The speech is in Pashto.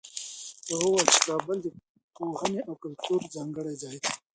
هغه وویل چي کابل د پوهنې او کلتور ځانګړی ځای دی.